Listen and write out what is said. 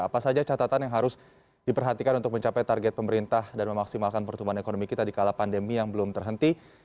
apa saja catatan yang harus diperhatikan untuk mencapai target pemerintah dan memaksimalkan pertumbuhan ekonomi kita di kala pandemi yang belum terhenti